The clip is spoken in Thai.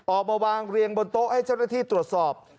ออกมาวางเรียงบนโต๊ะให้เจ้าหน้าที่ตรวจสอบ